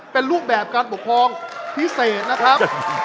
เป็นรูปแบบการปกครองพิเศษนะครับ